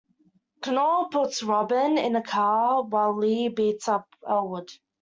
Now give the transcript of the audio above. Knoll puts Robyn in a car while Lee beats up Elwood.